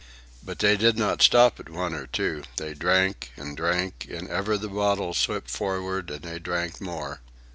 But they did not stop at one or two. They drank and drank, and ever the bottles slipped forward and they drank more.